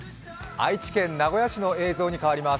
愛知県名古屋市の映像に変わります。